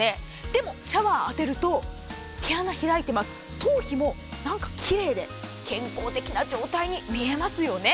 でもシャワーを当てると毛穴、開いていますから頭皮も奇麗で健康的な状態に見えますよね。